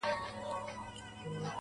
سم د قصاب د قصابۍ غوندي,